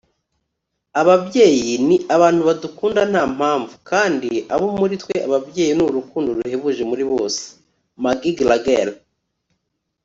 ababyeyi ni abantu badukunda nta mpamvu. kandi abo muri twe ababyeyi ni urukundo ruhebuje muri bose. - maggie gallagher